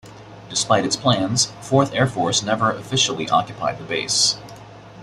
Despite its plans, Fourth Air Force never officially occupied the base.